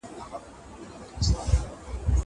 که وخت وي، کتاب وليکم..